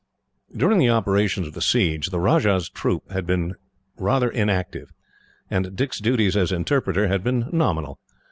During the operations of the siege, the Rajah's troop had remained inactive, and Dick's duties as interpreter had been nominal.